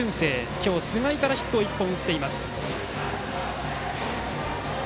今日、菅井からヒットを１本打っています。